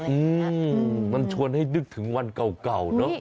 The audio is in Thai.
อืมมันชวนให้นึกถึงวันเก่าเนอะ